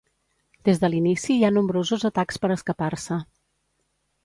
Des de l'inici hi ha nombrosos atacs per escapar-se.